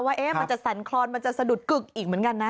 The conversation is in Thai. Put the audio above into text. ว่ามันจะสั่นคลอนมันจะสะดุดกึกอีกเหมือนกันนะ